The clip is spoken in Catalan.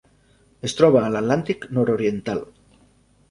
Es troba a l'Atlàntic nord-oriental.